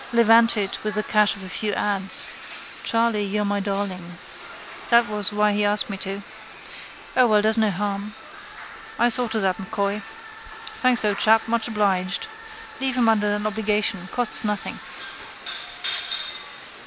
Levanted with the cash of a few ads. Charley, you're my darling. That was why he asked me to. O well, does no harm. I saw to that, M'Coy. Thanks, old chap: much obliged. Leave him under an obligation: costs nothing.